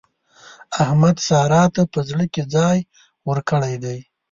احمد سارا ته په زړه کې ځای ورکړی دی.